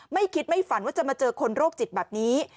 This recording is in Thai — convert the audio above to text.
ไม่คิดไม่ฝันว่าจะมาเจอคนโรคจิตแบบนี้